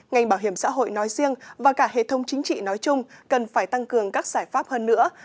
ngành bảo hiểm xã hội nói riêng và cả hệ thống chính trị nói chung cần phải tăng cường các giải pháp hơn nữa